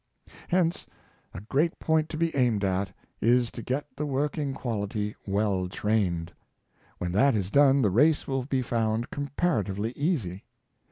Hence, a great point to be aimed at is to get the working quality well trained. When that is done, the race will be found comparatively easy.